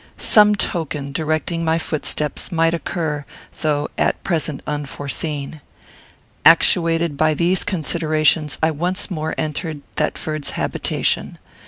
Some token, directing my footsteps, might occur, though at present unforeseen. Actuated by these considerations, I once more entered Thetford's habitation.